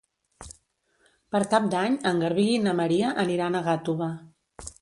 Per Cap d'Any en Garbí i na Maria aniran a Gàtova.